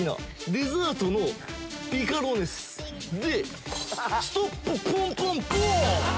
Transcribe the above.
デザートのピカロネスでストップポンポンポン！